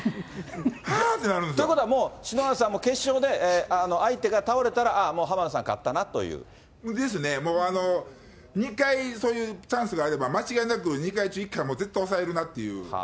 はぁってなるんですよ。ということはもう、篠原さんも決勝で相手が倒れたら、ああ、ですね、もう、２回そういうチャンスがあれば、間違いなく２回中１回もう絶対抑えるなっていう。